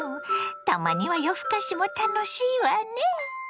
たまには夜ふかしも楽しいわね！